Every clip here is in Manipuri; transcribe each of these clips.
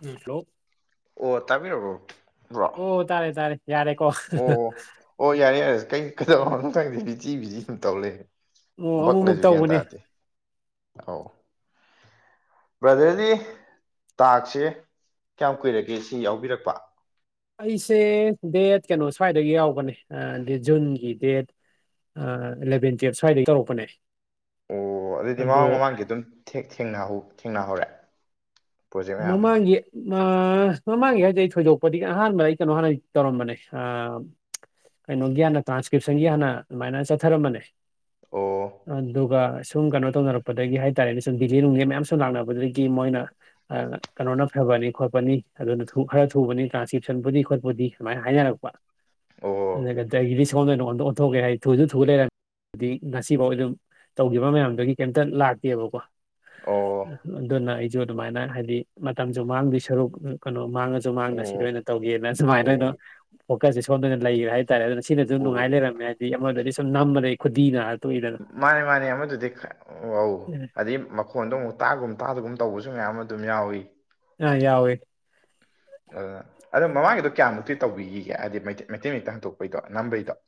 ꯎꯝ ꯍꯜꯂꯣ ꯑꯣ ꯇꯥꯕꯤꯔꯕꯣ ꯕ꯭ꯔꯣ ꯑꯣ ꯇꯥꯔꯦ ꯇꯥꯔꯦ ꯌꯥꯔꯦꯀꯣ ꯑꯣ ꯑꯣ ꯌꯥꯔꯦ ꯌꯥꯔꯦ ꯀꯩ ꯀꯩꯗꯧꯔꯕꯅꯣ ꯈꯪꯗꯦ ꯕꯤꯆꯤ ꯕꯤꯖꯤ ꯌꯥꯝ ꯇꯧ ꯂꯩ ꯑꯣ ꯕꯛ ꯑꯃꯨꯛꯃꯨꯛ ꯂꯩꯕꯁꯤ ꯒ꯭ꯌꯥꯟ ꯇꯧꯕꯅꯦ ꯇꯥꯗꯦ ꯑꯥꯎ ꯕ꯭ꯔꯗꯔꯗꯤ ꯇꯥꯛꯁꯦ ꯀꯌꯥꯝ ꯀꯨꯏꯔꯒꯦ ꯁꯤ ꯌꯥꯎꯕꯤꯔꯛꯄ ꯑꯩꯁꯦ ꯗꯦꯠ ꯀꯩꯅꯣ ꯁ꯭ꯋꯥꯏꯗꯒꯤ ꯌꯥꯎꯕꯅꯦ ꯖꯨꯟꯒꯤ ꯗꯦꯠ ꯏꯂꯚꯦꯟ ꯇꯨꯋꯦꯜꯞ ꯁ꯭ꯋꯥꯏꯗꯒꯤ ꯇꯧꯔꯛꯄꯅꯦ ꯑꯣ ꯑꯗꯨꯗꯤ ꯑꯗꯣ ꯃꯃꯥꯡ ꯃꯃꯥꯡꯒꯤ ꯑꯗꯨꯝ ꯊꯦꯡ ꯊꯦꯡꯅꯍꯧꯔꯦ ꯄ꯭ꯔꯣꯖꯦꯛ ꯃꯌꯥꯝ ꯑꯃ ꯃꯃꯥꯡꯒꯤ ꯃꯃꯥꯡꯒꯤ ꯍꯥꯏꯗꯤ ꯑꯩ ꯊꯣꯏꯗꯣꯛꯄꯗꯤ ꯑꯍꯥꯟꯕ ꯑꯩ ꯀꯩꯅꯣ ꯍꯥꯟꯅꯗꯤ ꯇꯧꯔꯝꯕꯅꯦ ꯀꯩꯅꯣꯒꯤ ꯍꯥꯟꯅ ꯇ꯭ꯔꯥꯟꯁꯀ꯭ꯔꯤꯞꯁꯟꯒꯤ ꯍꯥꯟꯅ ꯑꯗꯨꯃꯥꯏꯅ ꯆꯠꯊꯔꯝꯕꯅꯦ ꯑꯣ ꯑꯗꯨꯒ ꯁꯨꯝ ꯀꯩꯅꯣ ꯇꯧꯅꯔꯛꯄꯗꯒꯤ ꯍꯥꯏꯇꯥꯔꯦꯅꯦ ꯁꯨꯝ ꯗꯤꯂꯦ ꯅꯨꯡꯂꯦ ꯃꯌꯥꯝ ꯁꯨꯝ ꯂꯥꯛꯅꯕꯗꯒꯤ ꯃꯣꯏꯅ ꯀꯩꯅꯣꯅ ꯐꯕꯅꯤ ꯈꯣꯠꯄꯅꯤ ꯑꯗꯨꯅ ꯈꯔ ꯊꯨꯕꯅꯤ ꯇ꯭ꯔꯥꯟꯁꯀ꯭ꯔꯤꯞꯁꯟꯕꯨꯗꯤ ꯈꯣꯠꯄꯨꯗꯤ ꯁꯨꯃꯥꯏꯅ ꯍꯥꯏꯅꯔꯛꯄ ꯑꯣ ꯑꯥ ꯀ ꯑꯩꯒꯤꯗꯤ ꯁꯣꯝꯗ ꯑꯣꯢꯅ ꯑꯣꯟꯊꯣꯛꯀꯦ ꯍꯥꯏ ꯑꯩ ꯊꯨꯁꯨ ꯊꯨ ꯂꯩꯔꯝꯃꯦ ꯍꯥꯏꯗꯤ ꯉꯁꯤꯐꯥꯎ ꯑꯗꯨꯝ ꯇꯧꯈꯤꯕ ꯃꯌꯥꯝꯗꯨꯒꯤ ꯀꯩꯝꯇ ꯂꯥꯛꯇꯦꯕꯀꯣ ꯑꯣ ꯑꯗꯨꯅ ꯑꯩꯁꯨ ꯑꯗꯨꯃꯥꯏꯅ ꯍꯥꯏꯗꯤ ꯃꯇꯝꯁꯨ ꯃꯥꯡꯗꯣꯢ ꯁꯔꯨꯛ ꯀꯩꯅꯣ ꯃꯥꯡꯉꯁꯨ ꯃꯥꯡꯅ ꯑꯣ ꯁꯤꯗ ꯑꯣꯏꯅ ꯇꯧꯒꯦꯅ ꯁꯨꯃꯥꯏꯅ ꯑꯣꯏꯅꯣ ꯑꯣ ꯐꯣꯀꯁꯦ ꯁꯣꯝꯗ ꯑꯣꯏꯅ ꯂꯩꯒ꯭ꯔꯦ ꯍꯥꯏꯇꯥꯔꯦ ꯑꯗꯨꯅ ꯁꯤꯅꯁꯨ ꯅꯨꯡꯉꯥꯏ ꯑꯣ ꯂꯩꯔꯝꯃꯦ ꯍꯥꯏꯗꯤ ꯑꯃꯗꯗꯤ ꯁꯨꯝ ꯅꯝꯕꯗꯩ ꯈꯨꯗꯤꯅ ꯃꯥꯅꯦ ꯃꯥꯅꯦ ꯑꯃꯗꯨꯗꯤ ꯑꯧ ꯑꯗꯩ ꯃꯈꯣꯟꯗꯣ ꯑꯃꯨꯛ ꯇꯥꯒꯨꯝ ꯇꯥꯗꯒꯨꯝ ꯇꯧꯕꯁꯨ ꯃꯌꯥꯝ ꯑꯃ ꯑꯗꯨꯝ ꯌꯥꯎꯏ ꯑꯥ ꯌꯥꯎꯋꯦ ꯑ ꯑꯗꯣ ꯃꯃꯥꯡꯒꯤꯗꯣ ꯀꯌꯥꯃꯨꯛꯇꯤ ꯇꯧꯕꯤꯈꯤꯒꯦ ꯍꯥꯏꯗꯤ ꯃꯩꯇꯩ ꯃꯩꯇꯩ ꯃꯌꯦꯛꯇ ꯍꯟꯗꯣꯛꯄꯩꯗꯣ ꯅꯝꯕꯩꯗꯣ [inaudible]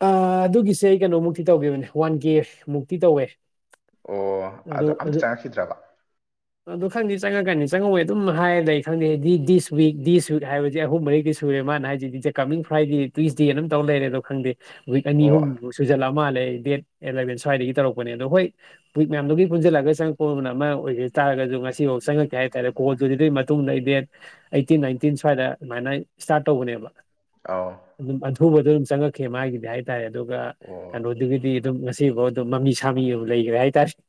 ꯑꯗꯨꯒꯤꯁꯦ ꯀꯩꯅꯣꯃꯨꯛꯇꯤ ꯇꯧꯈꯤꯕꯅꯦ ꯋꯥꯟ ꯀꯦ ꯃꯨꯛꯇꯤ ꯇꯧꯋꯦ ꯑꯣ ꯑꯗꯣ ꯑꯝꯇ ꯆꯪꯉꯛꯈꯤꯗ꯭ꯔꯕ ꯑꯗꯣ ꯆꯪꯗꯤ ꯆꯪꯉꯛꯀꯅꯤ ꯆꯪꯉꯛꯑꯣꯏ ꯑꯗꯨꯝ ꯍꯥꯏꯔ ꯂꯩ ꯈꯪꯗꯦ ꯗꯤꯁ ꯋꯤꯛ ꯗꯤ ꯋꯤꯛ ꯍꯥꯏꯕꯁꯤ ꯑꯍꯨꯝ ꯃꯔꯤꯔꯛꯗꯤ ꯁꯨꯔꯦ ꯃꯥꯅ ꯍꯥꯏ ꯍꯥꯏꯁꯤꯗꯤ ꯀꯃꯤꯡ ꯐ꯭ꯔꯥꯏꯗꯦ ꯇꯨꯋꯁꯗꯦꯅ ꯑꯗꯨꯝ ꯇꯧ ꯂꯩꯔꯦ ꯑꯗꯣ ꯈꯪꯗꯦ ꯋꯤꯛ ꯑꯅꯤ ꯑꯣ ꯑꯍꯨꯝ ꯃꯩꯛ ꯁꯨꯖꯜꯂꯛ ꯑꯃꯥꯜꯂꯦ ꯗꯦꯠ ꯑꯦꯂꯚꯦꯟ ꯁ꯭ꯋꯥꯏꯗꯒꯤ ꯇꯧꯔꯛꯄꯅꯦ ꯑꯗꯣ ꯍꯣꯏ ꯋꯤꯛ ꯃꯌꯥꯝꯗꯨꯒꯤ ꯄꯨꯟꯁꯤꯜꯂꯒ ꯆꯪꯛꯄꯗꯨꯅ ꯑꯃ ꯑꯣꯏꯒꯤ ꯇꯥꯔꯁꯨ ꯉꯁꯤꯐꯥꯎ ꯆꯪꯉꯛꯇꯦ ꯍꯥꯏꯇꯔꯦ ꯀꯣꯜꯗꯨꯨ ꯑꯗꯨ ꯃꯇꯨꯡꯗ ꯗ ꯗꯦꯠ ꯑꯩꯈꯤꯟ ꯅꯥꯏꯇꯤꯟ ꯁ꯭ꯋꯥꯏꯗ ꯑꯗꯨꯃꯥꯏꯅ ꯏꯁꯇꯥꯔꯠ ꯇꯧꯕꯅꯦꯕ ꯑꯧ ꯑꯗꯨꯝ ꯑꯊꯨꯕꯗ ꯑꯗꯨꯝ ꯆꯪꯉꯛꯈꯤ ꯃꯒꯤꯗꯤ ꯍꯥꯏꯇꯔꯦ ꯑꯗꯨꯒ ꯑꯣ ꯀꯩꯅꯣꯗꯨꯒꯤꯗꯤ ꯑꯗꯨꯝ ꯉꯁꯤꯐꯥꯎ ꯑꯗꯨꯝ ꯃꯃꯤ ꯁꯥꯃꯤ ꯑꯗꯨꯝ ꯂꯩꯈ꯭ꯔꯦ ꯍꯥꯏꯇꯔꯦ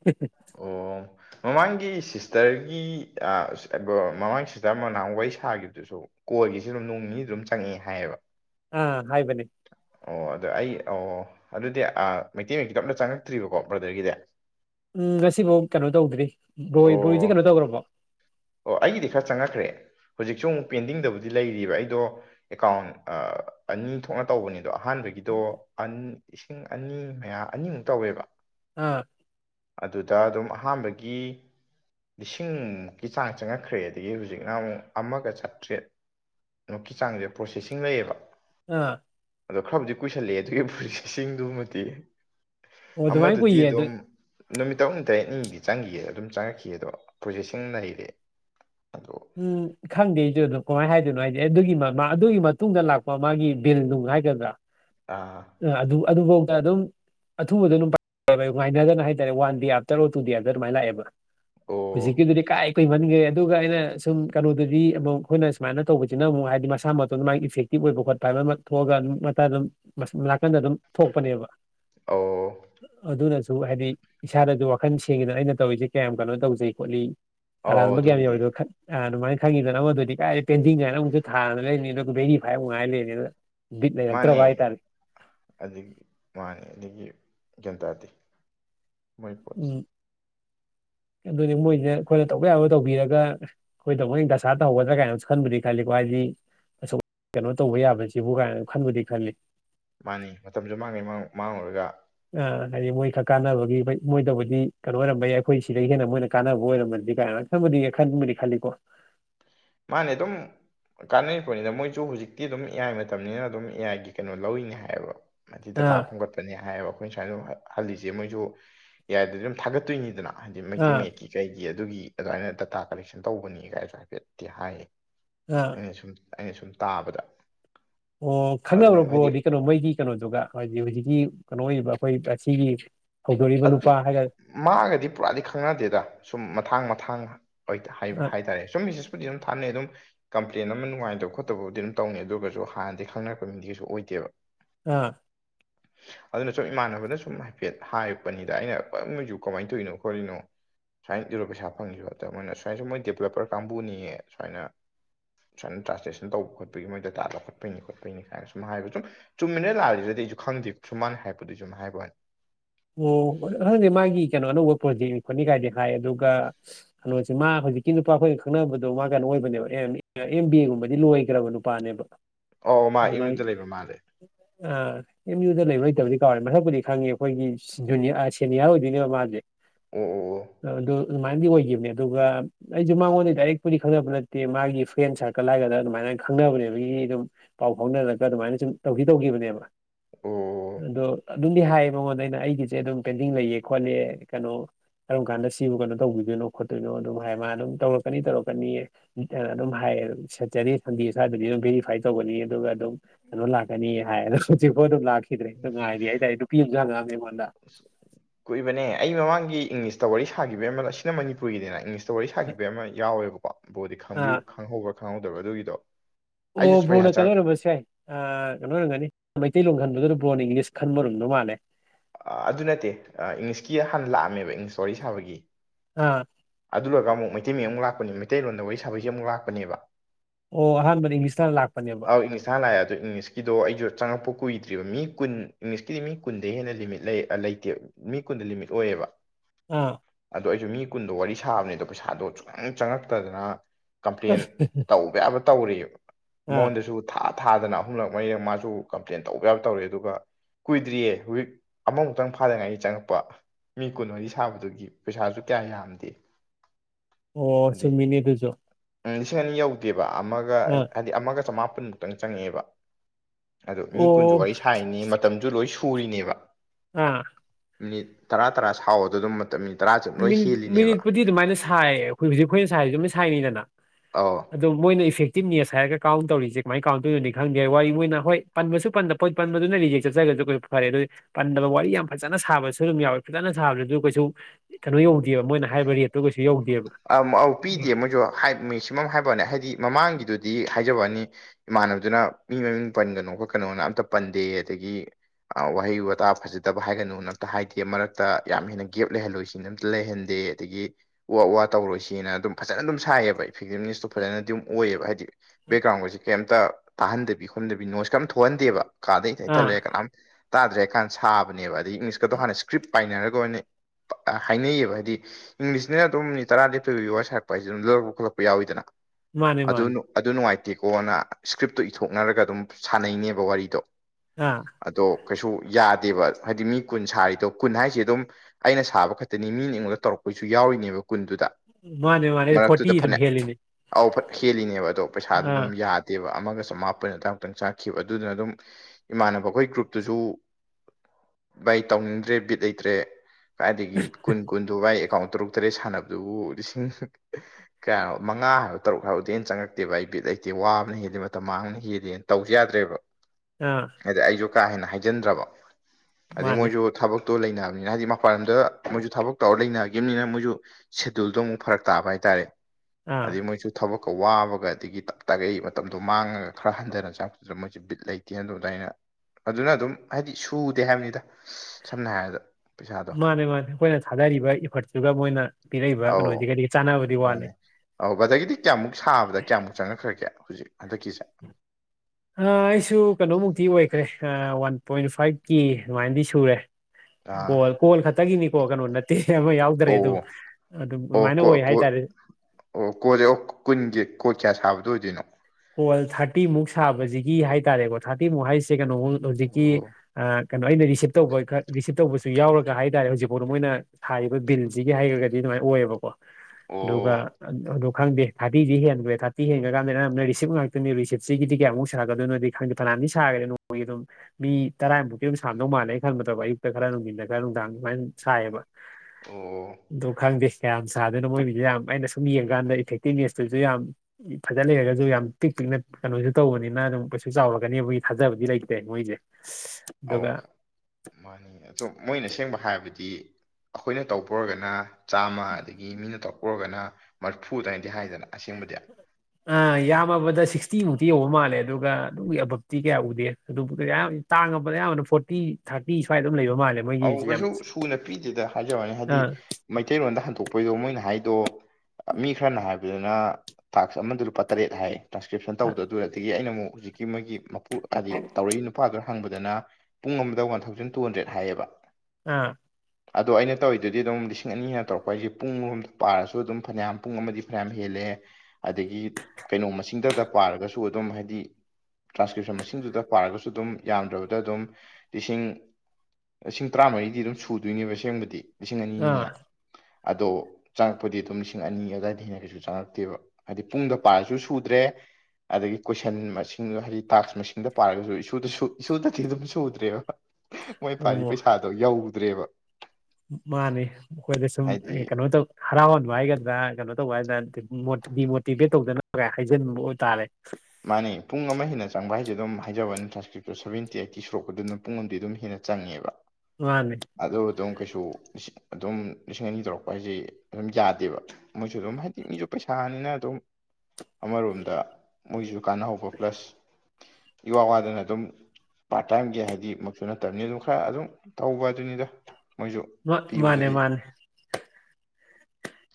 ꯑꯣ ꯃꯃꯥꯡꯒꯤ ꯁꯤꯁꯇꯔꯒꯤ ꯃꯃꯥꯡ ꯁꯤꯇꯔ ꯃꯅꯥ ꯋꯥꯔꯤ ꯁꯥꯈꯤꯕꯗꯨꯁꯨ ꯀꯣꯏꯒꯤꯁꯨ ꯑꯗꯨꯝ ꯅꯣꯡ ꯅꯤꯅꯤ ꯑꯗꯨꯝ ꯆꯪꯉꯛꯑꯦ ꯍꯥꯏꯌꯦꯕ ꯑꯥ ꯍꯥꯏꯕꯅꯦ ꯑꯣ ꯑꯗꯣ ꯑꯩ ꯑꯣ ꯑꯗꯨꯗꯤ ꯃꯩꯇꯩ ꯃꯌꯦꯛꯀꯤꯗꯣ ꯑꯝꯇ ꯆꯪꯉꯛꯇ꯭ꯔꯤꯕꯀꯣ ꯕ꯭ꯔꯗꯔꯒꯤꯗꯤ ꯎꯝ ꯉꯁꯤꯐꯧ ꯀꯩꯅꯣ ꯇꯧꯗ꯭ꯔꯤ ꯕꯣꯏ ꯕꯣꯏꯗꯤ ꯀꯩꯅꯣ ꯇꯧꯈ꯭ꯔꯔꯕꯣ ꯑꯣ ꯑꯩꯒꯤꯗꯤ ꯈꯔ ꯆꯪꯉꯛꯈ꯭ꯔꯦ ꯍꯧꯖꯤꯛꯁꯨ ꯑꯃꯨꯛ ꯄꯦꯟꯗꯤꯡꯗꯕꯨꯗꯤ ꯂꯩꯔꯤꯕ ꯑꯩꯗꯣ ꯑꯦꯀꯥꯎꯟ ꯑꯅꯤ ꯊꯣꯛꯅ ꯇꯧꯕꯅꯤꯗꯣ ꯑꯍꯥꯟꯕꯒꯤꯗꯣ ꯏꯁꯤꯡ ꯑꯅꯤ ꯃꯌꯥ ꯑꯅꯤꯃꯨꯛ ꯇꯧꯋꯦꯕ ꯑꯥ ꯗ ꯑꯗꯨꯝ ꯑꯍꯥꯟꯕꯒꯤ ꯂꯤꯁꯤꯡ ꯆꯥꯡ ꯆꯪꯉꯛꯈ꯭ꯔꯦ ꯑꯗꯒꯤ ꯍꯧꯖꯤꯛꯅ ꯑꯃꯨꯛ ꯑꯃꯒ ꯆꯥꯇ꯭ꯔꯦꯠ ꯑꯛꯀꯤ ꯆꯥꯡꯁꯦ ꯄ꯭ꯔꯣꯁꯦꯁꯤꯡ ꯂꯩꯌꯦꯕ ꯑꯥ ꯑꯗꯣ ꯈꯔꯕꯨꯗꯤ ꯀꯨꯏꯁꯜꯂꯛꯑꯦ ꯑꯗꯨꯒꯤ ꯄꯨꯔꯤꯁꯦ ꯁꯤꯡꯗꯨꯃꯗꯤ ꯑꯣ ꯑꯗꯨꯃꯥꯏꯅ ꯑꯃꯗꯨꯗꯤ ꯀꯨꯏꯌꯦ ꯑꯗꯨ ꯑꯗꯨꯝ ꯅꯨꯃꯤꯠ ꯇꯔꯨꯛꯅꯤ ꯇꯔꯦꯠꯅꯤꯗꯤ ꯆꯪꯈꯤꯒꯌꯦ ꯑꯗꯨꯝ ꯆꯪꯉꯛꯈꯤꯌꯦ ꯑꯗꯣ ꯄ꯭ꯔꯣꯖꯦꯁꯤꯡ ꯂꯩꯔꯦ ꯎꯝ ꯈꯪꯗꯦ ꯑꯩꯁꯨ ꯑꯗꯨꯝ ꯀꯃꯥꯏꯅ ꯍꯥꯏꯗꯣꯏꯅꯣ ꯍꯥꯏꯗꯤ ꯑꯗꯨꯒꯤ ꯑꯗꯨꯒꯤ ꯃꯇꯨꯡꯗ ꯂꯥꯛꯄ ꯃꯥꯒꯤ ꯕꯤꯜ ꯅꯨꯡ ꯍꯥꯏꯒꯗ꯭ꯔ ꯑꯥ ꯑꯗꯨ ꯑꯗꯨꯕꯧ ꯑꯗꯨꯝ ꯑꯊꯨꯕꯗ ꯑꯗꯨꯝ ꯉꯥꯏꯅꯗꯅ ꯍꯥꯏꯇꯔꯦ one day after or two day after ꯑꯗꯨꯃꯥꯏꯅ ꯂꯥꯛꯑꯦꯕ ꯑꯣ ꯑꯧ ꯍꯧꯖꯤꯛꯀꯤꯗꯨꯗꯤ ꯀꯥꯏ ꯀꯨꯏꯃꯟꯒ꯭ꯔꯦ ꯑꯗꯨꯒ ꯑꯩꯅ ꯁꯨꯝ ꯀꯩꯅꯣꯗꯗꯤ ꯑꯃꯨꯛ ꯑꯩꯈꯣꯏꯅ ꯁꯨꯃꯥꯏꯅ ꯇꯧꯕꯁꯤꯅ ꯑꯃꯨꯛ ꯍꯥꯏꯗꯤ ꯃꯁꯥ ꯃꯇꯣꯟꯗ ꯃꯥꯒꯤ ꯏꯐꯦꯛꯇꯤꯕ ꯑꯣꯏꯕ ꯈꯣꯠꯄ ꯍꯥꯏꯕ ꯑꯃ ꯊꯣꯛꯑꯒ ꯑꯗꯨꯝ ꯅꯥꯀꯟꯗ ꯑꯗꯨꯝ ꯊꯣꯛꯄꯅꯦꯕ ꯑꯧ ꯑꯗꯨ ꯍꯥꯏꯗꯤ ꯏꯁꯥꯗꯁꯨ ꯋꯥꯈꯜ ꯁꯦꯡꯉꯦꯗꯅ ꯑꯩꯅ ꯇꯧꯔꯤꯁꯦ ꯀꯌꯥꯝ ꯀꯩꯅꯣ ꯇꯧꯖꯩ ꯈꯣꯠꯂꯤ ꯑꯧ ꯑꯔꯥꯟꯕꯀꯌꯥꯝ ꯑꯗꯨꯕꯨꯗꯤ ꯌꯎꯋꯔꯤꯗꯣ ꯈꯠ ꯑ ꯑꯗꯨꯃꯥꯏꯅ ꯈꯪꯉꯤꯗꯅ ꯑꯃꯗꯨꯗꯤ ꯀꯥꯏꯗꯩ ꯄꯦꯟꯖꯤꯡ ꯀꯥꯏꯅ ꯑꯃꯨꯛꯁꯨ ꯊꯥꯅ ꯂꯩꯅꯤ ꯑꯗꯨꯒ ꯕꯦꯔꯤꯐꯥꯏ ꯑꯃꯨꯛ ꯉꯥꯏ ꯂꯩꯅꯤ ꯑꯗꯨꯅ ꯕꯤꯠ ꯃꯥꯅꯦ ꯂꯩꯔꯛꯇ꯭ꯔꯕ ꯍꯥꯏꯇꯥꯔꯦ ꯑꯗꯨꯒꯤ ꯃꯥꯅꯦ ꯑꯗꯒꯤ ꯒ꯭ꯌꯥꯟ ꯇꯥꯗꯦ ꯃꯣꯏ ꯄꯣꯠꯁꯦ ꯑꯗꯨꯗꯤ ꯃꯣꯏꯁꯦ ꯎꯝ ꯑꯩꯈꯣꯏꯅ ꯇꯧꯕ ꯌꯥꯕ ꯇꯧꯕꯤꯔꯒ ꯑꯩꯈꯣꯏꯗꯧ ꯗꯁꯥ ꯇꯧꯍꯧꯒꯗ꯭ꯔꯥ ꯀꯏꯅꯣ ꯈꯟꯕꯨꯗꯤ ꯈꯜꯂꯤꯀꯣ ꯍꯥꯏꯗꯤ ꯑꯁꯨꯛ ꯀꯩꯅꯣ ꯇꯧꯕ ꯌꯥꯕꯁꯤꯕꯨ ꯀꯥꯏꯅ ꯈꯟꯕꯨꯗꯤ ꯈꯜꯂꯤ ꯃꯅꯤ ꯃꯇꯝꯁꯨ ꯃꯥꯡꯉꯅꯤ ꯃꯥꯡꯉꯨꯔꯒ ꯑ ꯍꯥꯏꯗꯤ ꯃꯣꯏ ꯈꯔ ꯀꯥꯟꯅꯕꯒꯤ ꯃꯣꯏꯗꯕꯨꯗꯤ ꯀꯩꯅꯣ ꯑꯣꯏꯔꯝꯕꯩ ꯑꯩꯈꯣꯏ ꯁꯤꯗꯒꯤ ꯍꯦꯟꯅ ꯃꯣꯏꯅ ꯀꯥꯟꯅꯕ ꯑꯣꯏꯔꯝꯃꯗꯤ ꯀꯥꯏꯅ ꯈꯟꯕꯨꯗꯤ ꯈꯜꯂꯤꯀꯣ ꯃꯥꯅꯤ ꯑꯗꯨꯝ ꯀꯥꯟꯅꯩꯄꯣꯠꯅꯤꯗ ꯃꯣꯏꯁꯨ ꯍꯧꯖꯤꯛꯇꯤ ꯑꯗꯨꯝ ꯑꯦ ꯑꯏ ꯃꯇꯝꯅꯤꯅ ꯑꯗꯨꯝ ꯑꯦꯑꯏꯒꯤ ꯀꯩꯅꯣ ꯂꯧꯔꯤꯅꯦ ꯍꯥꯏꯌꯦꯕ ꯗꯤ ꯗꯥꯇꯥ ꯑꯥ ꯈꯣꯝꯒꯠꯄꯅꯤ ꯍꯥꯏꯌꯦꯕ ꯑꯩꯈꯣꯏ ꯁꯨꯃꯥꯏꯅ ꯍꯜꯂꯤꯁꯦ ꯃꯣꯏꯁꯨ ꯑꯦ ꯑꯥꯏꯗꯗꯤ ꯑꯗꯨꯝ ꯊꯥꯒꯠꯇꯣꯏꯅꯤꯗꯅ ꯍꯥꯏꯗꯤ ꯃꯩꯇꯩ ꯑꯥ ꯃꯌꯦꯛꯀꯤ ꯀꯩꯒꯤ ꯑꯗꯨꯒꯤ ꯑꯗꯨꯃꯥꯏꯅ ꯗꯇꯥ ꯀꯂꯦꯛꯁꯟ ꯇꯧꯕꯅꯤ ꯀꯥꯏꯁꯨ ꯍꯥꯏꯐꯦꯠꯇꯤ ꯍꯥꯏꯌꯦ ꯑꯥ ꯑꯩꯅ ꯁꯨꯝ ꯑꯩꯅ ꯁꯨꯝ ꯇꯥꯕꯗ ꯑꯣ ꯑꯗꯨꯅ ꯍꯥꯏꯗꯤ ꯈꯪꯅꯔꯕ꯭ꯔꯣꯗꯤ ꯀꯩꯅꯣ ꯃꯣꯏꯒꯤ ꯀꯩꯅꯣꯗꯨꯒ ꯍꯥꯏꯗꯤ ꯍꯧꯖꯤꯛꯀꯤ ꯀꯩꯅꯣ ꯑꯣꯏꯕ ꯑꯩꯈꯣꯏ ꯑꯁꯤꯒꯤ ꯍꯧꯗꯣꯔꯤꯕ ꯑꯗꯨ ꯅꯨꯄꯥ ꯍꯥꯏꯒ ꯃꯥꯒꯗꯤ ꯄꯨꯔꯥꯗꯤ ꯈꯪꯅꯗꯦꯗ ꯁꯨꯝ ꯃꯊꯥꯡ ꯃꯊꯥꯡ ꯍꯥꯏꯕ ꯍꯥꯏ ꯑ ꯍꯥꯏꯇꯥꯔꯦ ꯁꯨꯝ ꯃꯤꯁꯦꯁꯄꯨꯗꯤ ꯑꯗꯨꯝ ꯊꯥꯅꯩ ꯑꯗꯨꯝ ꯀꯝꯄ꯭ꯂꯦꯟ ꯑꯃ ꯅꯨꯡꯉꯥꯏꯇꯕ ꯈꯣꯠꯇꯕꯕꯨꯗꯤ ꯑꯗꯨꯝ ꯇꯧꯅꯤ ꯑꯗꯨꯒꯁꯨ ꯍꯥꯟꯅꯗꯤ ꯈꯪꯅꯔꯛꯄ ꯃꯤꯗꯤ ꯀꯩꯁꯨ ꯑꯣꯏꯗꯦꯕ ꯑꯥ ꯑꯗꯨꯅ ꯁꯨꯝ ꯏꯃꯥꯟꯅꯕꯅ ꯁꯨꯝ ꯍꯥꯏꯐꯦꯠ ꯍꯥꯏ ꯄꯅꯤꯗ ꯑꯩꯅ ꯀꯃꯥꯏ ꯃꯣꯏꯁꯤꯕꯦ ꯀꯃꯥꯏꯅ ꯇꯧꯔꯤꯅꯣ ꯈꯣꯠꯂꯤꯅꯣ ꯁꯨꯃꯥꯏꯗꯨꯔ ꯄꯩꯁꯥ ꯐꯪꯉꯤꯕ ꯑꯗꯣ ꯃꯣꯏꯅ ꯁꯨꯃꯥꯏꯁꯨꯝ ꯃꯣꯏ ꯗꯦꯕꯂꯞꯄꯔ ꯀꯥꯡꯕꯨꯅꯤꯌꯦ ꯁꯨꯃꯥꯏꯅ ꯁꯥꯟ ꯇ꯭ꯔꯥꯟꯁꯂꯦꯛꯁꯟ ꯇꯧꯕ ꯈꯣꯠꯒꯤ ꯃꯣꯏ ꯗꯥꯇꯥ ꯂꯧꯈꯠꯄꯩꯅꯤ ꯈꯣꯠꯄꯩꯅꯤ ꯀꯥꯏꯅ ꯁꯨꯝ ꯍꯥꯏꯕ ꯁꯨꯝ ꯆꯨꯝꯃꯤꯅ ꯂꯥꯜꯂꯤꯔꯗꯤ ꯑꯩꯁꯨ ꯈꯪꯗꯦ ꯁꯨꯝ ꯃꯥꯅꯥ ꯍꯥꯏꯔꯛꯄꯗꯨꯏ ꯁꯨꯝ ꯍꯥꯏꯕꯩ ꯋꯥꯅꯤ ꯑꯣ ꯈꯪꯗꯦ ꯃꯥꯒꯤ ꯀꯩꯅꯣ ꯑꯅꯧꯕ ꯄ꯭ꯔꯣꯖꯦꯛꯅꯤ ꯈꯣꯠꯅꯤ ꯀꯥꯏꯗꯤ ꯍꯥꯏ ꯑꯗꯨꯒ ꯀꯩꯅꯣꯁꯤ ꯃꯥ ꯍꯧꯖꯤꯛꯀꯤ ꯀꯤ ꯅꯨꯄꯥ ꯑꯩꯈꯣꯏꯒ ꯈꯪꯅꯕꯗꯣ ꯃꯥ ꯀꯩꯅꯣ ꯑꯣꯏꯕꯅꯦꯕ ꯑꯦꯝ ꯕꯤ ꯑꯦ ꯒꯨꯝꯕꯗꯤ ꯂꯣꯏꯒ꯭ꯔꯕ ꯅꯨꯄꯥꯅꯦꯕ ꯑꯣ ꯃꯥ ꯑꯗꯨ ꯑꯦꯝ ꯃꯥꯏ ꯌꯨꯗ ꯂꯩꯕ ꯃꯥꯜꯂꯦ ꯑꯥ ꯑꯦꯝ ꯌꯨꯗ ꯂꯩꯕ꯭ꯔ ꯂꯩꯇꯕ꯭ꯔꯗꯤ ꯀꯥꯎꯔꯦ ꯃꯁꯛꯄꯨꯗꯤ ꯈꯪꯉꯤ ꯑꯩꯈꯣꯏꯒꯤ ꯖꯨꯅꯤꯌꯥꯔ ꯑꯥ ꯁꯦꯅꯤꯌꯥꯔ ꯑꯣꯏꯗꯣꯏꯅꯦꯕ ꯃꯥꯁꯦ ꯑꯣ ꯑꯣ ꯑꯣ ꯑꯗꯨ ꯑꯗꯨꯃꯥꯏꯅꯗꯤ ꯑꯣꯏꯒꯤꯕꯅꯦ ꯑꯗꯨꯒ ꯑꯩꯖꯨ ꯃꯉꯣꯟꯗ ꯗꯥꯏꯔꯦꯛꯄꯗꯤ ꯈꯪꯗꯕ ꯅꯠꯇꯦ ꯃꯥꯒꯤ ꯐ꯭ꯔꯦꯟ ꯁꯥꯔꯀꯜ ꯍꯥꯏꯒ꯭ꯔꯥ ꯑꯗꯨꯃꯥꯏꯅ ꯗꯨꯃꯥꯏꯅ ꯈꯪꯅꯕꯅꯦꯕꯒꯤ ꯑꯗꯨꯝ ꯄꯥꯎ ꯐꯥꯎꯅꯔꯒ ꯑꯗꯨꯃꯥꯏꯅ ꯁꯨꯝ ꯇꯧꯗꯤ ꯇꯧꯒꯤꯕꯅꯦꯕ ꯑꯣ ꯑꯣ ꯑꯗꯣ ꯑꯗꯨꯝꯗꯤ ꯍꯥꯏꯌꯦ ꯃꯉꯣꯟꯗ ꯑꯩꯅ ꯑꯩ ꯁꯦ ꯑꯗꯨꯝ ꯄꯦꯟꯗꯤꯡ ꯂꯩꯌꯦ ꯈꯣꯠꯂꯦ ꯀꯩꯅꯣ ꯀꯔꯝ ꯀꯥꯟꯗ ꯁꯤꯕꯨ ꯀꯩꯅꯣ ꯇꯧꯕꯤꯗꯣꯏꯅꯣ ꯈꯣꯠꯇꯣꯏꯅꯣ ꯑꯗꯨꯝ ꯍꯥꯏ ꯃꯥ ꯑꯗꯨꯝ ꯇꯧꯔꯛꯀꯅꯤ ꯇꯧꯔꯛꯀꯅꯤ ꯑꯗꯨꯝ ꯍꯥꯏ ꯁꯦꯇꯔꯗꯦ ꯁꯟꯗꯦ ꯁ꯭ꯋꯥꯏꯗꯗꯤ ꯑꯗꯨꯝ ꯚꯦꯔꯤꯐꯥꯏ ꯇꯧꯒꯅꯤ ꯑꯗꯨꯒ ꯑꯗꯨꯝ ꯀꯩꯅꯣ ꯂꯥꯛꯀꯅꯤ ꯍꯥꯏ ꯑꯗꯣ ꯍꯧꯖꯤꯛꯐꯥꯎ ꯑꯗꯨꯝ ꯂꯥꯛꯈꯤꯗ꯭ꯔꯦ ꯉꯥꯏꯔꯤ ꯍꯥꯏꯇꯥꯔꯦ ꯅꯨꯄꯤ ꯑꯃꯁꯨ ꯍꯪꯉꯛꯑꯝꯃꯦ ꯑꯩꯉꯣꯟꯗ ꯀꯨꯏꯕꯅꯦ ꯑꯩ ꯃꯃꯥꯡꯒꯤ ꯏꯪꯂꯤꯁꯇ ꯋꯥꯔꯤ ꯁꯥꯈꯤꯕꯒꯤ ꯑꯃꯒ ꯁꯤꯅ ꯃꯅꯤꯄꯨꯔꯤꯒꯤꯗꯅ ꯏꯪꯂꯤꯁ ꯇ ꯋꯥꯔꯤ ꯁꯥꯒꯤꯕꯩ ꯑꯃ ꯌꯥꯎꯋꯦꯕꯀꯣ ꯕ꯭ꯔꯣꯗꯤ ꯈꯪꯕꯤ ꯑꯥ ꯈꯪꯍꯧꯕ꯭ꯔꯥ ꯈꯪꯍꯧꯗꯕ꯭ꯔꯥ ꯑꯗꯨꯒꯤꯗꯣ ꯑꯣ ꯑꯩꯁꯨ ꯄꯩꯁꯥ ꯕ꯭ꯔꯣꯅ ꯀꯩꯅꯣ ꯆꯪ ꯑꯣꯏꯔꯝꯕꯁꯨ ꯌꯥꯏ ꯑꯥ ꯀꯩꯅꯣ ꯑꯣꯏꯔꯝꯒꯅꯤ ꯃꯩꯇꯩꯂꯣꯟ ꯈꯟꯕ ꯑꯗꯨꯅ ꯕ꯭ꯔꯣꯅ ꯏꯪꯂꯤꯁ ꯈꯟꯕꯔꯨꯝꯗꯣ ꯃꯥꯜꯂꯦ ꯑꯗꯨ ꯅꯠꯇꯦ ꯏꯪꯂꯤꯁꯀꯤ ꯍꯥꯟꯅ ꯂꯥꯛꯑꯝꯃꯦꯕ ꯏꯪꯂꯤꯁ ꯋꯥꯔꯤ ꯁꯥꯕꯒꯤ ꯑꯥ ꯑꯗꯨ ꯂꯣꯏꯔꯒ ꯑꯃꯨꯛ ꯃꯩꯇꯩ ꯃꯌꯦꯛ ꯑꯃꯨꯛ ꯂꯥꯛꯄꯅꯤ ꯃꯩꯇꯩꯔꯣꯟꯗ ꯋꯥꯔꯤ ꯁꯥꯕꯩꯁꯦ ꯑꯃꯨꯛ ꯂꯥꯛꯄꯅꯦꯕ ꯑꯣ ꯑꯍꯥꯟꯕꯗꯤ ꯏꯪꯂꯤꯁꯇ ꯍꯥꯟꯅ ꯂꯥꯛꯄ ꯑꯥꯎ ꯏꯪꯂꯤꯁꯇ ꯍꯥꯟꯅ ꯂꯥꯛꯑꯦ ꯑꯗꯣ ꯏꯪꯂꯤꯁꯀꯤꯗꯣ ꯑꯩꯁꯨ ꯆꯪꯉꯛꯄ ꯀꯨꯏꯗ꯭ꯔꯤꯕ ꯃꯤ ꯀꯨꯟ ꯏꯪꯂꯤꯁꯀꯤꯗꯤ ꯃꯤ ꯀꯨꯟꯗꯩ ꯍꯦꯟꯅ ꯂꯤꯃꯤꯠ ꯂꯩ ꯂꯩꯇꯦ ꯃꯤ ꯀꯨꯟꯗ ꯂꯤꯃꯤꯠ ꯑꯣꯏꯌꯦꯕ ꯑꯥ ꯑꯗꯣ ꯑꯩꯁꯨ ꯃꯤ ꯀꯨꯟꯗꯣ ꯋꯥꯔꯤ ꯁꯥꯕꯅꯦ ꯑꯗꯣ ꯄꯩꯁꯥꯗꯣ ꯁꯨꯛꯆꯪ ꯆꯪꯉꯛꯇꯗꯅ ꯀꯝꯄ꯭ꯂꯦꯟ ꯇꯧꯕ ꯌꯥꯕ ꯇꯧꯔꯦꯕ ꯑꯥ ꯃꯉꯣꯟꯗꯁꯨ ꯊꯥ ꯊꯥꯗꯅ ꯑꯍꯨꯝꯂꯛ ꯃꯔꯤꯂꯛ ꯃꯥꯁꯨ ꯀꯝꯄ꯭ꯂꯦꯟ ꯇꯧꯕ ꯌꯥꯕ ꯇꯧꯔꯦ ꯑꯗꯨꯒ ꯀꯨꯏꯗ꯭ꯔꯤꯌꯦ ꯋꯤꯛ ꯑꯃꯃꯨꯛꯇꯪ ꯐꯥꯗ ꯉꯥꯏꯔꯤ ꯆꯪꯉꯛꯄ ꯃꯤ ꯀꯨꯟꯃꯔꯤ ꯁꯥꯕꯗꯨꯒꯤ ꯄꯩꯁꯥꯁꯨ ꯀꯌꯥ ꯌꯥꯝꯗꯦ ꯑꯣ ꯍꯥꯏꯗꯤ ꯆꯨꯝꯃꯤꯅꯤ ꯑꯗꯨꯖꯨ ꯎꯝ ꯂꯤꯁꯤꯡ ꯑꯅꯤ ꯌꯧꯗꯦꯕ ꯑꯃꯒ ꯍꯥꯏꯗꯤ ꯑꯃꯒ ꯆꯃꯥꯄꯨꯟꯃꯨꯛꯇꯪ ꯆꯪꯉꯛꯑꯦꯕ ꯑꯗꯣ ꯃꯤ ꯀꯨꯟꯖꯨ ꯑꯣ ꯋꯥꯔꯤ ꯁꯥꯔꯤꯅꯤ ꯃꯇꯝꯁꯨ ꯂꯣꯏ ꯁꯨꯔꯤꯅꯦꯕ ꯑꯥ ꯃꯤꯅꯤꯠ ꯇꯔꯥ ꯇꯔꯥ ꯁꯥꯎꯋꯣꯗꯣ ꯑꯗꯨꯝ ꯃꯇꯝ ꯃꯤꯅꯤꯠ ꯇꯔꯥꯁꯦ ꯑꯗꯨꯝ ꯂꯣꯏ ꯃꯤꯅꯤꯠ ꯍꯦꯜꯂꯤꯅꯦꯕ ꯃꯤꯅꯤꯠꯄꯨꯗꯤ ꯑꯗꯨꯃꯥꯏꯅ ꯁꯥꯏ ꯑꯩꯈꯣꯏ ꯍꯧꯖꯤꯛ ꯑꯩꯈꯣꯏꯅ ꯁꯥꯏꯖꯤ ꯑꯗꯨꯝꯅ ꯁꯥꯏꯅꯤꯗꯅ ꯑꯧ ꯑꯗꯣ ꯃꯣꯏꯅ ꯏꯐꯦꯛꯇꯤꯚꯅꯦꯁ ꯍꯥꯏꯔꯒ ꯀꯥꯎꯟ ꯇꯧꯔꯤꯁꯦ ꯀꯃꯥꯏ ꯀꯥꯎꯟ ꯇꯧꯔꯤꯅꯣꯗꯤ ꯈꯪꯗꯦ ꯋꯥꯔꯤ ꯃꯣꯏꯅ ꯍꯣꯏ ꯄꯟꯕꯁꯨ ꯄꯟꯕ ꯄꯟꯕꯗꯨꯅ ꯔꯤꯖꯦꯛ ꯆꯠꯆꯔꯒꯁꯨ ꯐꯔꯦ ꯑꯗꯨ ꯄꯟꯗꯕ ꯋꯥꯔꯤ ꯌꯥꯝ ꯐꯖꯅ ꯁꯥꯕꯁꯨ ꯑꯗꯨꯝ ꯌꯥꯎꯋꯦ ꯐꯖꯅ ꯁꯥꯕꯁꯨ ꯑꯗꯨꯝ ꯀꯩꯁꯨ ꯀꯩꯅꯣ ꯌꯧꯗꯦꯕ ꯃꯣꯏꯅ ꯍꯥꯏꯕ ꯔꯦꯠꯇꯣ ꯀꯩꯁꯨ ꯌꯧꯗꯦꯕ ꯑꯝ ꯑꯧ ꯄꯤꯗꯦ ꯃꯣꯏꯒꯤ ꯍꯥꯏ ꯃꯦꯛꯁꯤꯃꯝ ꯍꯥꯏꯕꯋꯥꯅꯦ ꯍꯥꯏꯗꯤ ꯃꯃꯥꯡꯒꯤꯗꯨꯗꯤ ꯍꯥꯏꯖꯕ ꯋꯥꯅꯤ ꯏꯃꯥꯟꯅꯕꯗꯨꯅ ꯃꯤ ꯃꯃꯤꯡ ꯄꯟꯒꯅꯨ ꯈꯣꯠꯀꯅꯣꯅ ꯑꯝꯇ ꯄꯟꯗꯦꯌꯦ ꯑꯗꯒꯤ ꯋꯥꯍꯩ ꯋꯥꯇꯥ ꯐꯖꯗꯕ ꯍꯥꯏꯒꯅꯨꯅ ꯑꯝꯇ ꯍꯥꯏꯗꯦ ꯃꯔꯛꯇ ꯌꯥꯝ ꯍꯦꯟꯅ ꯒꯦꯞ ꯂꯩꯍꯜꯂꯣꯏꯁꯤꯅ ꯑꯝꯇ ꯂꯩꯍꯟꯗꯦ ꯀꯦ ꯑꯗꯒꯤ ꯋꯥ ꯋꯥ ꯇꯧꯔꯣꯏꯁꯤꯅ ꯑꯗꯨꯝ ꯐꯖꯅ ꯑꯗꯨꯝ ꯁꯥꯏꯌꯦꯕ ꯏꯐꯦꯛꯇꯤꯞ ꯅ꯭ꯌꯨꯁꯇꯣ ꯐꯖꯅꯗꯤ ꯑꯗꯨꯝ ꯑꯣꯏꯌꯦꯕ ꯍꯥꯏꯗꯤ ꯕꯦꯛꯒ꯭ꯔꯥꯎꯟꯒꯁꯦ ꯀꯩꯝꯇ ꯇꯥꯍꯟꯗꯕꯤ ꯈꯣꯠꯇꯕꯤ ꯅꯣꯏꯁ ꯀ ꯑꯝ ꯊꯣꯛꯍꯟꯗꯦꯕ ꯀꯥꯗ ꯏꯊꯜꯗ ꯑꯥ ꯂꯩꯔꯦ ꯀꯅꯥꯝ ꯇꯥꯗ꯭ꯔꯦ ꯀꯥꯟꯅ ꯁꯥꯕꯅꯦꯕ ꯑꯗꯩ ꯏꯪꯂꯤꯁꯀꯗꯣ ꯍꯥꯟ ꯏꯁꯀ꯭ꯔꯤꯞ ꯄꯥꯏꯅꯔꯒ ꯈꯣꯏꯅꯤ ꯍꯥꯏꯅꯩꯌꯦꯕ ꯍꯥꯏꯗꯤ ꯏꯪꯂꯤꯁꯅꯤꯅ ꯑꯗꯨꯝ ꯇꯔꯥ ꯂꯦꯞꯇꯕꯤ ꯋꯥꯔꯤ ꯁꯥꯔꯛꯄ ꯍꯥꯏꯁꯦ ꯑꯗꯨꯝ ꯂꯠꯔꯛꯄ ꯈꯣꯠꯂꯛꯄ ꯌꯥꯎꯋꯤꯗꯅ ꯃꯥꯅꯦ ꯑꯗꯨ ꯃꯥꯅꯦ ꯑꯗꯨ ꯅꯨꯡꯉꯥꯏꯇꯦ ꯇꯦꯀꯣꯅ ꯏꯁꯀ꯭ꯔꯤꯞꯇꯣ ꯏꯊꯣꯛꯅꯔꯒ ꯑꯗꯨꯝ ꯁꯥꯟꯅꯩꯅꯦꯕ ꯋꯥꯔꯤꯗꯣ ꯍꯣ ꯑꯗꯣ ꯀꯩꯁꯨ ꯌꯥꯗꯦꯕ ꯍꯥꯏꯗꯤ ꯃꯤ ꯀꯨꯟ ꯁꯥꯔꯤꯗꯣ ꯀꯨꯟ ꯍꯥꯏꯁꯦ ꯑꯗꯨꯝ ꯑꯩꯅ ꯁꯥꯕ ꯈꯛꯇꯅꯤ ꯃꯤꯅ ꯑꯩꯉꯣꯟꯗ ꯇꯧꯔꯛ ꯈꯣꯏꯁꯨ ꯌꯥꯎꯔꯤꯅꯦꯕ ꯀꯨꯟꯗꯨꯗ ꯃꯥꯅꯦ ꯃꯥꯅꯦ ꯐꯣꯔꯇꯤ ꯃꯔꯛꯇꯨꯗ ꯑꯗꯨꯝ ꯐꯅꯦꯛ ꯍꯦꯂꯤꯅꯤ ꯑꯧ ꯐꯠ ꯍꯦꯜꯂꯤꯅꯦꯕ ꯑꯗꯣ ꯄꯩꯁꯥꯗꯨ ꯑꯗꯨꯝ ꯌꯥꯗꯦꯕ ꯒ ꯑꯃꯒ ꯆꯃꯥꯄꯟ ꯑꯗꯨꯋꯥꯢ ꯃꯨꯛꯇꯪ ꯆꯉꯈꯤꯕ ꯑꯗꯨꯗꯨꯅ ꯑꯗꯨꯝ ꯏꯃꯥꯟꯅꯕ ꯑꯩꯈꯣꯏ ꯒ꯭ꯔꯨꯞꯇꯨꯁꯨ ꯚꯥꯏ ꯇꯧꯅꯤꯡꯗ꯭ꯔꯦ ꯕꯤꯠ ꯂꯩꯇ꯭ꯔꯦ ꯀꯥꯏꯗꯒꯤ ꯀꯨꯟ ꯀꯨꯟꯗꯨ ꯋꯥꯏ ꯑꯦꯀꯥꯎꯟ ꯇꯔꯨꯛ ꯇꯔꯦꯠ ꯁꯥꯟꯅꯕ ꯑꯗꯨꯕꯨ ꯂꯤꯁꯤꯡ ꯀꯌꯥꯅꯣ ꯃꯉꯥ ꯍꯥꯏꯕ꯭ꯔ ꯇꯔꯨꯛ ꯍꯥꯏꯕ꯭ꯔ ꯑꯗꯨꯗꯩ ꯍꯦꯟꯅ ꯆꯪꯉꯛꯇꯦꯕ ꯑꯩ ꯕꯤꯠ ꯂꯩꯇꯦ ꯋꯥꯕꯅ ꯍꯦ ꯗꯤ ꯃꯇꯝ ꯃꯥꯡꯕꯅ ꯍꯦꯜꯂꯤ ꯇꯧꯁꯦ ꯌꯥꯗ꯭ꯔꯦꯕ ꯑꯥ ꯍꯥꯏꯗꯤ ꯑꯩꯁꯨ ꯀꯥ ꯍꯦꯟꯅ ꯍꯥꯏꯖꯤꯟꯗ꯭ꯔꯕ ꯑꯗꯩ ꯃꯥꯅꯦ ꯃꯣꯏꯁꯨ ꯊꯕꯛ ꯇꯣ ꯂꯩꯕꯅꯤꯅ ꯍꯥꯏꯗꯤ ꯃꯄꯥꯟ ꯂꯝꯗ ꯃꯣꯏꯁꯨ ꯊꯕꯛ ꯇꯧꯔ ꯂꯩꯅꯈꯤꯕꯅꯤꯅ ꯃꯣꯏꯁꯨ ꯁꯦꯗꯨꯜꯗꯣ ꯑꯃꯨꯛ ꯐꯔꯛ ꯇꯥꯕ ꯍꯥꯏꯇꯥꯔꯦ ꯑꯥ ꯑꯗꯩ ꯃꯣꯏꯁꯨ ꯊꯕꯛ ꯀꯋꯥꯕꯒ ꯑꯗꯒꯤ ꯇꯞ ꯇꯥꯒꯩ ꯃꯇꯝꯗꯣ ꯃꯥꯡꯉꯒ ꯈꯔ ꯍꯟꯊꯅ ꯆꯥꯉꯛꯄꯁꯤꯗ ꯃꯣꯏꯁꯦ ꯕꯤꯠ ꯂꯩꯇꯦꯅ ꯑꯗꯨꯃꯥꯏꯅ ꯑꯗꯨꯅ ꯑꯗꯨꯝ ꯍꯥꯏꯗꯤ ꯁꯨꯗꯦ ꯍꯥꯏꯕꯅꯤꯗ ꯁꯝꯅ ꯍꯥꯏꯔꯕꯗ ꯄꯩꯁꯥꯗꯣ ꯃꯥꯅꯦ ꯃꯥꯅꯦ ꯑꯩꯈꯣꯏꯅ ꯊꯥꯗꯔꯤꯕ ꯏꯐꯔꯠꯇꯨꯒ ꯃꯣꯏꯅ ꯄꯤꯔꯛꯏꯕ ꯑꯧ ꯀꯩꯅꯣꯁꯤꯒꯗꯤ ꯆꯥꯟꯅꯕꯗꯤ ꯋꯥꯠꯂꯦ ꯃꯥꯅꯦ ꯑꯧ ꯑꯗꯒꯤꯗꯤ ꯀꯌꯥꯃꯨꯛ ꯁꯥꯕꯗ ꯀꯌꯥꯃꯨꯛ ꯆꯪꯉꯛꯈ꯭ꯔꯒꯦ ꯍꯧꯖꯤꯛ ꯍꯟꯗꯛꯀꯤꯁꯦ ꯑꯁ ꯑꯩꯁꯨ ꯀꯩꯅꯣꯃꯨꯛꯇꯤ ꯑꯣꯏꯈ꯭ꯔꯦ ꯑ ꯋꯥꯟ ꯄꯣꯏꯟ ꯐꯥꯏꯚꯀꯦ ꯑꯗꯨꯃꯥꯏꯅꯗꯤ ꯁꯨꯔꯦ ꯑꯥ ꯀꯣꯜ ꯀꯣꯜ ꯈꯛꯇꯒꯤꯅꯤꯀꯣ ꯀꯩꯅꯣ ꯅꯠꯇꯦ ꯑꯃ ꯌꯥꯎꯗꯔꯦ ꯑꯗꯨꯝ ꯑꯣ ꯑꯗꯨꯝ ꯑꯣ ꯑꯗꯨꯃꯥꯏꯅ ꯀꯣ ꯑꯣꯏ ꯀꯣ ꯍꯥꯏꯇꯥꯔꯦ ꯍꯦ ꯑꯣ ꯀꯣꯜ ꯑꯣ ꯀꯨꯟꯒꯤ ꯀꯣꯗ ꯀꯌꯥ ꯁꯥꯕꯗꯣ ꯑꯣꯏꯗꯣꯏꯅꯣ ꯀꯣꯜ ꯊꯥꯔꯇꯤꯃꯨꯛ ꯁꯥꯕꯁꯤꯒꯤ ꯍꯥꯏꯇꯥꯔꯦꯀꯣ ꯊꯥꯔꯇꯤꯃꯨꯛ ꯍꯥꯏꯁꯦ ꯀꯩꯅꯣ ꯍꯣꯟ ꯇꯧ ꯍꯧꯖꯤꯀꯤ ꯑꯣ ꯑ ꯀꯩꯅꯣ ꯑꯩꯅ ꯔꯤꯁꯤꯞ ꯇꯧꯕ ꯔꯤꯁꯤꯞ ꯇꯧꯕꯁꯨ ꯌꯥꯎꯔꯒ ꯍꯥꯏꯇꯥꯔꯦ ꯍꯧꯖꯤꯛꯐꯥꯎꯗ ꯃꯣꯏꯅ ꯁꯥꯔꯤꯕ ꯕꯤꯜꯁꯤꯒꯤ ꯍꯥꯏꯔꯨꯔꯒꯗꯤ ꯑꯗꯨꯝ ꯑꯗꯨꯃꯥꯢ ꯑꯣꯏꯌꯦꯕꯀꯣ ꯑꯣ ꯑꯗꯨꯒ ꯈꯪꯗꯦ ꯊꯥꯔꯇꯤꯗꯤ ꯍꯦꯟꯈ꯭ꯔꯦ ꯊꯥꯔꯇꯤ ꯍꯦꯟꯒ꯭ꯔꯀꯥꯟꯗꯁꯤꯗ ꯑꯝ ꯂꯩꯔꯤ ꯔꯤꯁꯤꯞ ꯉꯥꯛꯇꯅꯦ ꯔꯤꯁꯤꯞꯁꯤꯒꯤꯗꯤ ꯀꯌꯥꯃꯨꯛ ꯁꯥꯒꯗꯣꯏꯅꯣꯗꯤ ꯈꯪꯗꯦ ꯐꯅꯌꯥꯝꯗꯤ ꯁꯥꯒꯔꯦ ꯅꯣꯡꯃꯒꯤ ꯑꯗꯨꯝ ꯃꯤ ꯇꯔꯥꯃꯨꯛꯇꯤ ꯑ ꯁꯔꯝꯗꯧ ꯃꯥꯟꯂꯦ ꯑꯩ ꯈꯟꯕꯗꯀꯣ ꯑꯌꯨꯛꯇ ꯈꯔ ꯅꯨꯡꯊꯤꯟꯗ ꯈꯔ ꯅꯨꯡꯗꯥꯡ ꯑꯗꯨꯃꯥꯏꯅ ꯁꯥꯏꯌꯦꯕ ꯑꯣ ꯑꯗꯣ ꯈꯪꯗꯦ ꯀꯌꯥꯝ ꯁꯥꯗꯣꯢꯅꯣ ꯃꯣꯏꯒꯤꯁꯦ ꯌꯥꯝ ꯑꯩꯅ ꯁꯨꯝ ꯌꯦꯡꯉꯀꯥꯟꯗ ꯏꯐꯦꯛꯇꯤꯞꯅꯦꯁꯇꯨꯁꯨ ꯌꯥꯝ ꯐꯖ ꯂꯩꯔꯒꯁꯨ ꯌꯥꯝ ꯄꯤꯛ ꯄꯤꯛꯅ ꯀꯩꯅꯣꯁꯨ ꯇꯧꯕꯅꯤꯅ ꯑꯗꯨꯝ ꯀꯩꯁꯨ ꯆꯥꯎꯔꯛꯀꯅꯤ ꯑꯕꯒꯤ ꯊꯥꯖꯕꯗꯤ ꯂꯩꯇꯦ ꯃꯣꯏꯁꯦ ꯑꯧ ꯑꯗꯨꯒ ꯃꯥꯅꯤ ꯑꯣ ꯃꯣꯏꯅ ꯑꯁꯦꯡꯕ ꯍꯥꯏꯕꯗꯤ ꯑꯩꯈꯣꯏꯅ ꯇꯧꯕ ꯑꯣꯏꯔꯒꯅ ꯆꯥꯝꯃ ꯑꯗꯒꯤ ꯃꯤꯅ ꯇꯧꯕ ꯑꯣꯏꯔꯒꯅ ꯃꯔꯔꯤꯐꯨ ꯑꯗꯨꯃꯥꯏꯅꯗꯤ ꯍꯥꯏꯗꯅ ꯑꯁꯦꯡꯕꯗꯤ ꯑ ꯌꯥꯃꯕꯗ ꯁꯤꯛꯁꯇꯤ ꯃꯨꯛ ꯇꯤ ꯌꯧꯕ ꯃꯥꯜꯂꯦ ꯑꯗꯨꯒ ꯑꯗꯨꯒꯤ ꯑꯕꯞꯇꯤ ꯀꯌꯥ ꯎꯗꯦ ꯑꯗꯨꯕꯨ ꯃꯌꯥꯝ ꯇꯥꯡꯉꯕꯗ ꯑꯌꯥꯝꯕꯅ ꯐꯣꯔꯇꯤ ꯊꯥꯔꯇꯤ ꯁ꯭ꯋꯥꯏꯗ ꯑꯗꯨꯝ ꯂꯩꯕ ꯃꯥꯂꯤ ꯑꯧ ꯀꯩꯁꯨꯝ ꯁꯨꯅ ꯄꯤꯗꯦꯗ ꯍꯥꯏꯖꯕ ꯋꯥꯅꯤ ꯍꯥꯏꯗꯤ ꯑꯥ ꯃꯩꯇꯩꯂꯣꯟꯗ ꯍꯟ ꯊꯣꯛꯄꯩꯗꯣ ꯃꯣꯏꯅ ꯍꯥꯏꯗꯣ ꯃꯤ ꯈꯔꯅ ꯍꯥꯏꯕꯗꯅ ꯊꯥꯛꯁ ꯑꯃꯗ ꯂꯨꯄꯥ ꯇꯔꯦꯠ ꯍꯥꯏ ꯇ꯭ꯔꯥꯟꯁꯀ꯭ꯔꯤꯞꯁꯟ ꯇꯧꯕꯗꯣ ꯑꯗꯨ ꯑꯗꯒꯤ ꯑꯩꯅ ꯑꯃꯨꯛ ꯍꯧꯖꯤꯛꯀꯤ ꯃꯣꯏꯒꯤ ꯃꯄꯨ ꯍꯥꯏꯗꯤ ꯇꯧꯔꯛꯏ ꯅꯨꯄꯥꯗꯨꯔ ꯍꯪꯕꯗꯅ ꯄꯨꯡ ꯑꯃꯗ ꯋꯥꯟ ꯊꯥꯎꯖꯟ ꯇꯨ ꯍꯟꯗ꯭ꯔꯦꯗ ꯍꯥꯏꯌꯦꯕ ꯑꯥ ꯑꯗꯣ ꯑꯩꯅ ꯇꯧꯔꯤꯗꯨꯗꯤ ꯑꯗꯨꯝ ꯂꯤꯁꯤꯡ ꯑꯅꯤ ꯍꯦꯅ ꯇꯧꯔꯛꯄ ꯍꯥꯏꯁꯦ ꯄꯨꯡꯔꯣꯝꯗ ꯄꯥꯔꯁꯨ ꯑꯗꯨꯝ ꯐꯅꯌꯥꯝ ꯄꯨꯡ ꯑꯃꯗꯤ ꯐꯅꯌꯥꯝ ꯍꯦꯜꯂꯦ ꯑꯦ ꯑꯗꯒꯤ ꯀꯩꯅꯣ ꯃꯁꯤꯡꯗꯗ ꯄꯥꯔꯒꯁꯨ ꯑꯗꯨꯝ ꯍꯥꯏꯗꯤ ꯇ꯭ꯔꯥꯟꯁꯀ꯭ꯔꯤꯞꯁꯟ ꯃꯁꯤꯡꯗꯨꯗ ꯄꯥꯔꯒꯁꯨ ꯑꯗꯨꯝ ꯌꯥꯝꯗ꯭ꯔꯕꯗ ꯑꯗꯨꯝ ꯂꯤꯁꯤꯡ ꯂꯤꯁꯤꯡ ꯇꯔꯥꯃꯔꯤꯗꯤ ꯑꯗꯨꯝ ꯁꯨꯗꯣꯏꯅꯦꯕ ꯑꯁꯦꯡꯕꯗꯤ ꯂꯤꯁꯤꯡ ꯑꯥ ꯑꯅꯤꯅꯤꯅ ꯑꯗꯣ ꯆꯪꯉꯛꯄꯗꯤ ꯑꯗꯨꯝ ꯂꯤꯁꯤꯡ ꯑꯅꯤ ꯑꯗꯨꯋꯥꯏꯗꯒꯤ ꯍꯦꯟꯅ ꯀꯩꯁꯨ ꯆꯪꯉꯛꯇꯦꯕ ꯍꯥꯏꯗꯤ ꯄꯨꯡꯗ ꯄꯥꯔꯁꯨ ꯁꯨꯗ꯭ꯔꯦ ꯑꯗꯒꯤ ꯀꯣꯏꯁꯟ ꯃꯁꯤꯡ ꯍꯥꯏꯗꯤ ꯇꯥꯛꯁ ꯃꯁꯤꯡꯗ ꯄꯥꯔꯒꯁꯨ ꯏꯁꯨꯗ ꯁꯨ ꯏꯁꯨꯗ ꯑꯗꯨꯝ ꯁꯨꯗ꯭ꯔꯦꯕ ꯃꯣꯏ ꯄꯥꯔꯤ ꯑꯣ ꯄꯩꯁꯥꯗꯣ ꯌꯧꯗ꯭ꯔꯦꯕ ꯃꯥꯅꯤ ꯑꯩꯈꯣꯏꯗ ꯁꯨꯝ ꯍꯥꯏꯗꯤ ꯀꯩꯅꯣ ꯇꯧ ꯍꯔꯥꯎꯍꯟꯕ ꯍꯥꯏꯒꯗ꯭ꯔꯥ ꯀꯩꯅꯣ ꯇꯧꯕ ꯍꯥꯏꯗꯥꯟ ꯗꯤ ꯃꯣꯠ ꯃꯣꯇꯤꯚꯦꯠ ꯇꯧꯗꯅ ꯀꯥꯢ ꯍꯥꯏꯖꯟꯕ ꯑꯣꯏꯇꯥꯔꯦ ꯃꯥꯅꯦ ꯄꯨꯡ ꯑꯃ ꯍꯦꯟꯅ ꯆꯪꯕ ꯍꯥꯏꯁꯦ ꯑꯗꯨꯝ ꯍꯥꯏꯖꯕꯋꯅꯤ ꯇ꯭ꯔꯟꯁꯀ꯭ꯞꯁꯟ ꯁꯚꯦꯟꯇꯤ ꯑꯩꯠꯤ ꯁꯨꯔꯛꯄꯗꯨꯅ ꯄꯨꯡ ꯑꯃꯗꯤ ꯑꯗꯨꯝ ꯍꯦꯟꯅ ꯆꯪꯉꯦꯕ ꯃꯥꯅꯦ ꯑꯗꯨ ꯑꯗꯨꯝ ꯀꯩꯁꯨ ꯂꯤꯁꯤꯡ ꯑꯗꯨꯝ ꯂꯤꯁꯤꯡ ꯑꯅꯤ ꯇꯧꯔꯛꯄ ꯍꯥꯏꯁꯤ ꯑꯗꯨꯝ ꯌꯥꯗꯦꯕ ꯃꯣꯏꯁꯨ ꯑꯗꯨꯝ ꯍꯥꯏꯗꯤ ꯃꯤꯁꯨ ꯄꯩꯁꯥꯥꯅꯤꯅ ꯑꯗꯨꯝ ꯑꯃꯔꯣꯝꯗ ꯃꯣꯏꯁꯨ ꯀꯥꯟꯅꯍꯧꯕ ꯄ꯭ꯂꯁ ꯏꯋꯥ ꯋꯥꯗꯅ ꯑꯗꯨꯝ ꯄꯥꯔꯠ ꯇꯥꯏꯝꯒꯤ ꯍꯥꯏꯗꯤ ꯃꯁꯨꯨ ꯅꯠꯇꯕꯅꯤꯅ ꯑꯗꯨꯝ ꯈꯔ ꯑꯗꯨꯝ ꯇꯧꯕ ꯑꯗꯨꯅꯤꯗ ꯃꯣꯏꯁꯨ ꯃꯥ ꯃꯥꯅꯦ ꯄꯤꯕꯗꯨꯗꯤ ꯃꯥꯅꯦ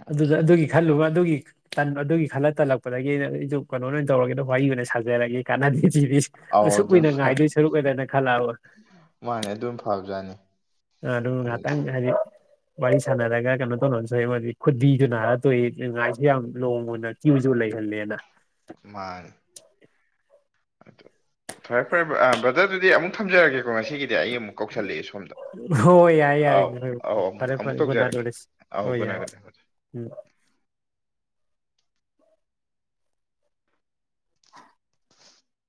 ꯑꯣꯀꯦ ꯑꯗꯨꯗ ꯑꯗꯨꯒꯤ ꯑꯣꯀꯦ ꯈꯜꯂꯨꯕ ꯑꯗꯨꯒꯤ ꯇꯜꯕ ꯑꯗꯨꯒꯤ ꯈꯜꯂ ꯇꯜꯂꯛꯄꯗꯒꯤ ꯑꯩꯅ ꯑꯩꯁꯨ ꯀꯩꯅꯣ ꯑꯣꯏꯅ ꯇꯧꯔꯒꯦꯅ ꯋꯥꯔꯤ ꯑꯣꯏꯅ ꯁꯖꯔꯒꯦ ꯀꯥꯅꯗꯦ ꯖꯤꯔꯤ ꯑꯧ ꯑꯁꯨꯛ ꯑꯗꯨꯝ ꯀꯨꯏꯅ ꯐ- ꯉꯥꯏꯗꯣꯏ ꯁꯔꯨꯛ ꯑꯣꯏꯗꯅ ꯈꯜꯂꯛꯑꯕ ꯃꯥꯅꯦ ꯑꯗꯨꯝ ꯐꯕꯖꯥꯠꯅꯤ ꯑ ꯑꯗꯨ ꯉꯇꯪ ꯍꯥꯏꯗꯤ ꯋꯥꯔꯤ ꯁꯥꯟꯅꯔꯒ ꯀꯩꯅꯣ ꯇꯧꯅꯁꯨ ꯃꯗꯤ ꯈꯨꯗꯤꯗꯨ ꯅꯥꯔ ꯇꯣꯛꯏ ꯉꯥꯏꯁꯨ ꯌꯥꯝ ꯂꯣꯡ ꯑꯣꯏꯅ ꯀ꯭ꯌꯨꯁꯨ ꯂꯩ ꯀꯤꯍꯜꯂꯦꯅ ꯃꯥꯅꯦ ꯑꯗꯨ ꯐꯔꯦ ꯐꯔꯦ ꯕ꯭ꯔ ꯑ ꯕ꯭ꯔꯗꯔ ꯑꯗꯨꯗꯤ ꯑꯃꯨꯛ ꯊꯝꯖꯔꯒꯦꯀꯣ ꯉꯁꯤꯒꯤꯗꯤ ꯑꯩ ꯑꯃꯨꯛ ꯀꯧꯁꯜꯂꯛꯑꯦ ꯁꯣꯝꯗ ꯍꯣꯏ ꯌꯥꯔꯦ ꯌꯥꯔꯦ ꯑꯥꯎ ꯑꯥꯎ ꯑꯃꯨꯛ ꯐꯔꯦ ꯑꯃꯨꯛ ꯐꯔꯦ ꯒꯨꯠꯅꯥꯏꯠ ꯇꯧꯖꯔꯛꯀꯦ ꯑꯣꯏꯔꯁꯤ ꯑꯥꯎ ꯑꯣ ꯒꯨꯗ ꯅꯥꯏꯠ ꯌꯔꯦ ꯒꯨꯗ ꯅꯥꯏꯠ ꯎꯝ